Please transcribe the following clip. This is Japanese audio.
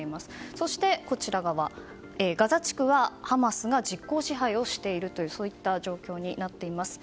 そして、ガザ地区はハマスが実効支配をしているそういった状況になっています。